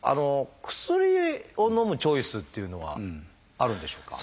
薬をのむチョイスっていうのはあるんでしょうか？